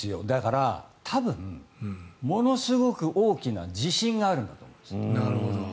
だから、多分ものすごい大きな自信があるんだと思う。